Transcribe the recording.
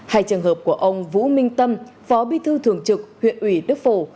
hai trường hợp của ông vũ minh tâm phó bí thư thường trực huyện ủy đức phổ